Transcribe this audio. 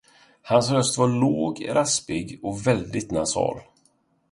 Hans röst var låg, raspig och väldigt nasal.